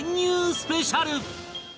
スペシャル